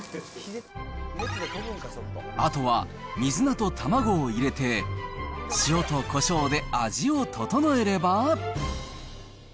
あとは水菜と卵を入れて、塩とこしょうで味を調えれば。